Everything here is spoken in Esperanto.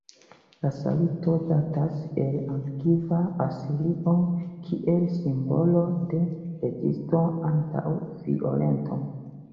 La saluto datas el antikva Asirio kiel simbolo de rezisto antaŭ violento.